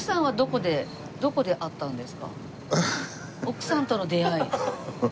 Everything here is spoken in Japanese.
奥さんとの出会い。